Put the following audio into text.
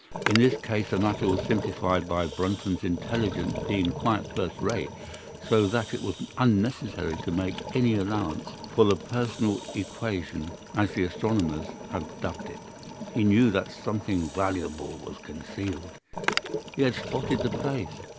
In this case the matter was simplified by Brunton's intelligence being quite first rate, so that it was unnecessary to make any allowance for the personal equation, as the astronomers have dubbed it. He knew that something valuable was concealed. He had spotted the place.